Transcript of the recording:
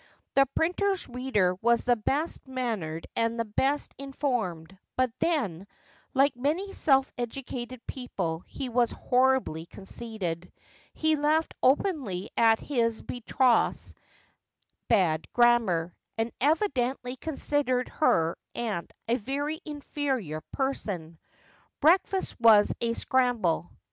The printer's reader was the best mannered and the best informed ; but then, like many self educated people, he was horribly conceited. He laughed openly at his betrothed's bad grammar, and evidently considered her aunt a very inferior person. Breakfast was a scramble.